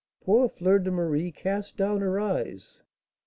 Poor Fleur de Marie cast down her eyes.